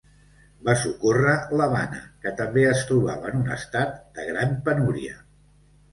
Va socórrer l'Havana, que també es trobava en un estat de gran penúria.